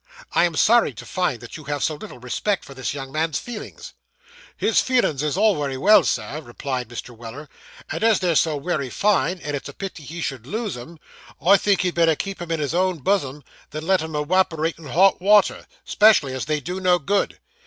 'I am sorry to find that you have so little respect for this young man's feelings.' 'His feelin's is all wery well, Sir,' replied Mr. Weller; 'and as they're so wery fine, and it's a pity he should lose 'em, I think he'd better keep 'em in his own buzzum, than let 'em ewaporate in hot water, 'specially as they do no good.